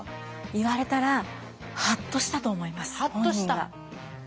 言われたらハッとしたと思います本人が。